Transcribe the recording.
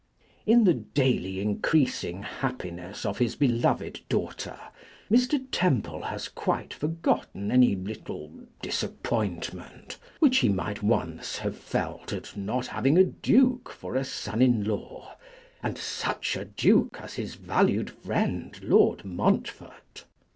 In the daily increasing happiness of his beloved daughter, Mr. Temple has quite forgotten any little disappointment which he might once have felt at not having a duke for a son in law, and such a duke as his valued friend, Lord Montfort.